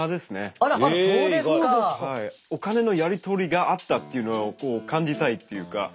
お金のやり取りがあったっていうのを感じたいっていうか。